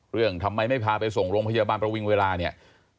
เรื่องทำไมไม่พาไปส่งโรงพยาบาลประวิงเวลาเนี่ย